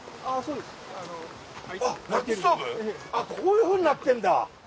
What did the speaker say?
っこういう風になってんだ！